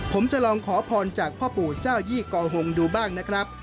ผมจะลองขอพรจากพ่อปู่เจ้ายี่กอหงดูบ้างนะครับ